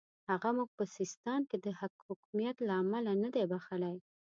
هغه موږ په سیستان کې د حکمیت له امله نه دی بخښلی.